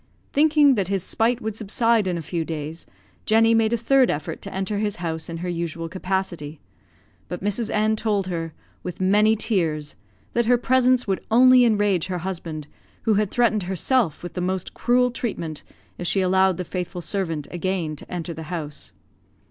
Thinking that his spite would subside in a few days, Jenny made a third effort to enter his house in her usual capacity; but Mrs. N told her, with many tears, that her presence would only enrage her husband, who had threatened herself with the most cruel treatment if she allowed the faithful servant again to enter the house.